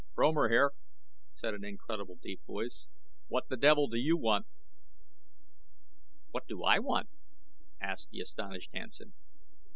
"Fromer here," said an incredible deep voice, "what the devil do you want?" "What do I want?" asked the astonished Hansen.